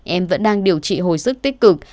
em vẫn đang điều trị hồi sức tích cực